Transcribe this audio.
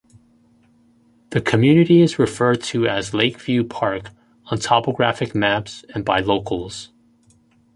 The community is referred to as Lakeview Park on topographic maps and by locals.